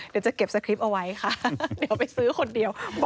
เดี๋ยวจะเก็บสคริปต์เอาไว้ค่ะเดี๋ยวไปซื้อคนเดียว